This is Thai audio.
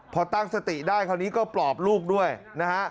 พอตั้งสติได้คราวนี้ก็ปลอบลูกด้วยนะฮะ